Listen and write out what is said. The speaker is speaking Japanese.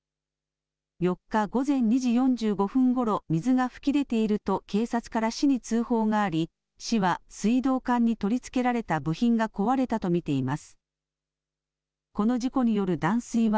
４日、午前２時４５分ごろ水が噴き出ていると警察から市に通報があり市は水道管に取り付けられた部品が壊れたと見ています。